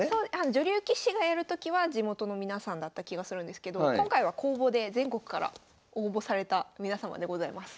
女流棋士がやる時は地元の皆さんだった気がするんですけど今回は公募で全国から応募された皆様でございます。